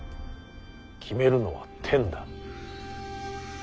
決めるのは天だ。